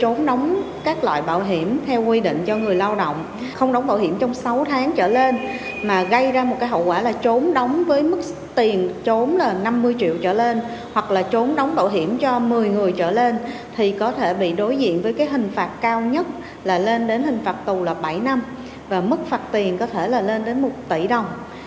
chốn đóng các loại bảo hiểm theo quy định cho người lao động không đóng bảo hiểm trong sáu tháng trở lên mà gây ra một cái hậu quả là trốn đóng với mức tiền trốn là năm mươi triệu trở lên hoặc là trốn đóng bảo hiểm cho một mươi người trở lên thì có thể bị đối diện với cái hình phạt cao nhất là lên đến hình phạt tù là bảy năm và mức phạt tiền có thể là lên đến một tỷ đồng